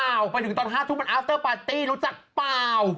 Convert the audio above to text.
ไปถึงตอน๕ทุ่มมันอัฟเตอร์ปาร์ตี้รู้จักเปล่า